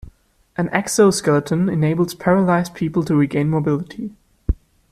An exo-skeleton enables paralyzed people to regain mobility.